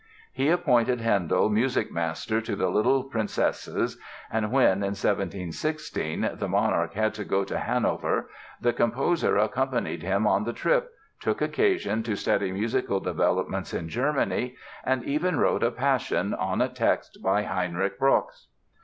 He appointed Handel music master to the little princesses and when, in 1716, the monarch had to go to Hanover the composer accompanied him on the trip, took occasion to study musical developments in Germany and even wrote a Passion on a text by Heinrich Brockes.